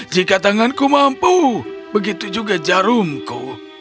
jika tanganku mampu begitu juga jarumku